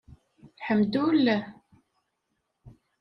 Lḥemdulleh.